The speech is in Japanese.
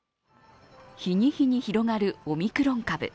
日に日に広がるオミクロン株。